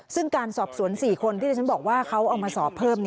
ซึ่งการสอบสวน๔คนที่ที่ฉันบอกว่าเขาเอามาสอบเพิ่ม